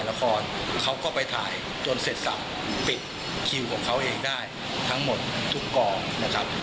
ละครเขาก็ไปถ่ายจนเสร็จสับปิดคิวของเขาเองได้ทั้งหมดทุกกองนะครับ